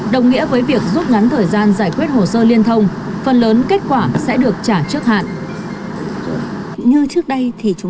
đồng nghĩa với việc giúp ngắn thời gian